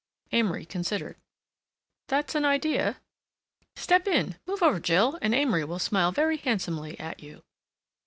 Amory considered. "That's an idea." "Step in—move over, Jill, and Amory will smile very handsomely at you."